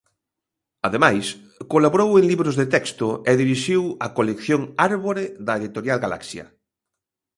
Ademais, colaborou en libros de texto e dirixiu a colección Árbore da editorial Galaxia.